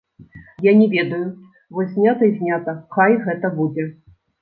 Я не ведаю, вось знята і знята, хай гэта будзе.